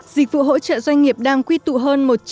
dịch vụ hỗ trợ doanh nghiệp đang quy tụ hơn